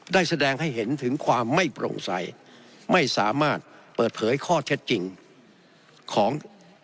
ได้แสดงให้เห็นถึงความไม่โปร่งใสไม่สามารถเปิดเผยข้อเท็จจริงของ